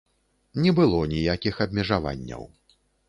Не было ніякіх абмежаванняў.